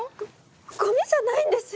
ゴゴミじゃないんです！